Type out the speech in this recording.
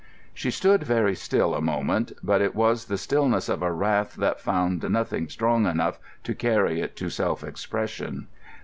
She stood very still a moment, but it was the stillness of a wrath that found nothing strong enough to carry it to self expression.